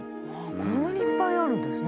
こんなにいっぱいあるんですね。